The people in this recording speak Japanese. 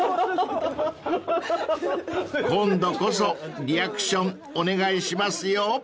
［今度こそリアクションお願いしますよ］